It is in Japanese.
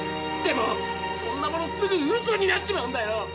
でもそんなものすぐウソになっちまうんだよ！